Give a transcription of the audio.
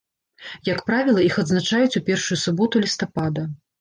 Як правіла, іх адзначаюць у першую суботу лістапада.